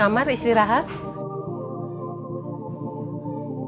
bapak sudah berjaya menangkan bapak